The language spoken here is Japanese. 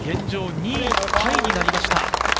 ２位タイになりました。